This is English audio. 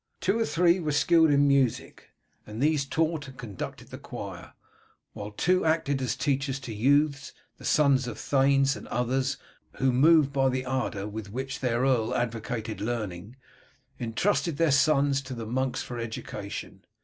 Two or three were skilled in music, and these taught and conducted the choir, while two acted as teachers to youths, the sons of thanes and others, who, moved by the ardour with which their earl advocated learning, intrusted their sons to the monks for education.